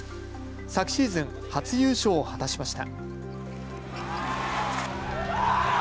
昨シーズン、初優勝を果たしました。